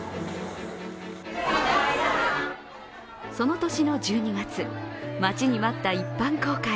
その年の１２月、待ちに待った一般公開。